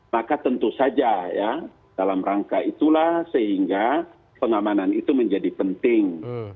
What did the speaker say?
maka tentu saja ya dalam rangka itulah sehingga pengamanan itu menjadi penting